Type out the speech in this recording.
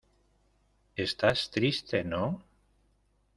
¿ estás triste? no.